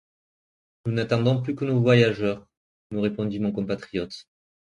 Nous n’attendons plus que nos voyageurs, me répondit mon compatriote.